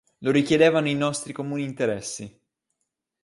Lo richiedevano i nostri comuni interessi.